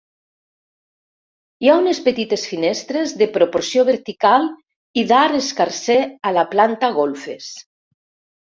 Hi ha unes petites finestres de proporció vertical i d'arc escarser a la planta golfes.